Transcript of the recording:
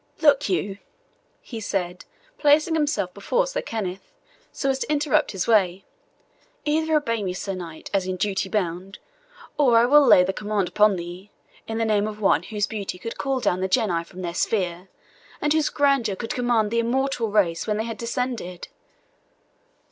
"Look you," he said, placing himself before Sir Kenneth, so as to interrupt his way, "either obey me, Sir Knight, as in duty bound, or I will lay the command upon thee, in the name of one whose beauty could call down the genii from their sphere, and whose grandeur could command the immortal race when they had descended."